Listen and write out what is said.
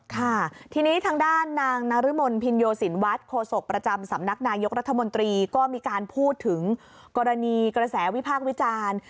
ค่ะทีนี้ทางด้านนางนรมนภินโยสินวัฒน์โคศกประจำสำนักนายกรัฐมนตรีก็มีการพูดถึงกรณีกระแสวิพากษ์วิจารณ์